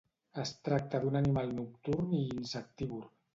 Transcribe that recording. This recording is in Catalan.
Es tracta d'un animal nocturn i insectívor.